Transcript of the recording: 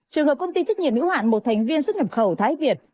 trường hợp công ty chức nhiệm nữ hoạn một thành viên xuất nhập khẩu thái việt